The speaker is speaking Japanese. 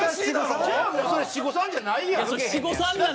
じゃあもうそれ七五三じゃないやん。